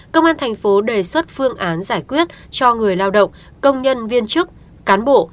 công an thành phố đề xuất phương án giải quyết cho người lao động công nhân viên chức cán bộ